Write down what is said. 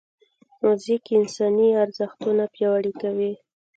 موزیک انساني ارزښتونه پیاوړي کوي.